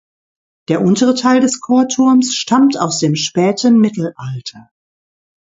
Der untere Teil des Chorturms stammt aus dem späten Mittelalter.